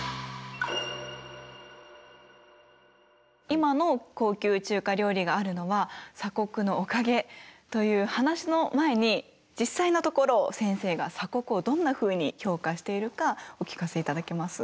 今の高級中華料理があるのは鎖国のおかげという話の前に実際のところ先生が鎖国をどんなふうに評価しているかお聞かせいただけます？